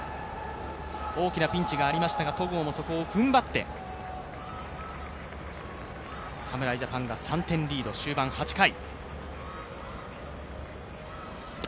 大きなピンチがありましたが、戸郷もそこを踏ん張って侍ジャパンが３点リード、終盤８回。